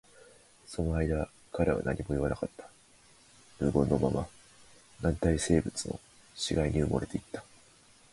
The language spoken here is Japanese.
その間、彼は何も言わなかった。無言のまま、軟体生物の死骸に埋もれていった。